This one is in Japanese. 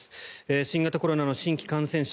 新型コロナの新規感染者